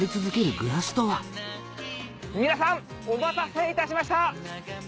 皆さんお待たせいたしました！